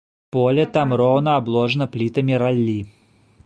Поле там роўна абложана плітамі раллі.